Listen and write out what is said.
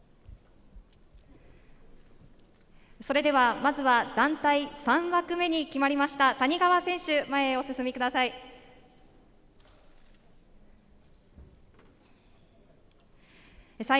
まずは団体３枠目に決まりました谷川選手、前へお進みください。